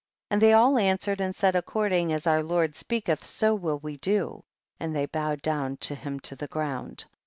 47. And they all answered and said, according as our lord speaketh so will we do, and they bowed down to him to the ground.